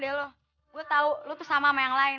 aku tahu kamu sama dengan orang lain